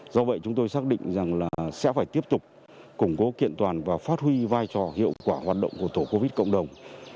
do vậy chúng tôi xác định rằng là sẽ phải tiếp tục củng cố kiện toàn và phát huy vai trò hiệu quả hoạt động của tổ covid cộng đồng